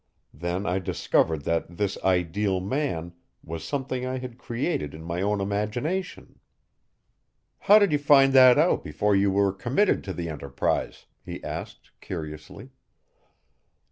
Then I discovered that this ideal man was something I had created in my own imagination." "How did you find that out before you were committed to the enterprise?" he asked curiously.